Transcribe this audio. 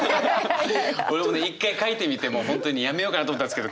俺もね一回描いてみてもう本当にやめようかなと思ったんですけど。